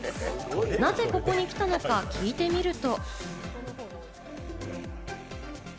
なぜここに来たのか聞いてみると。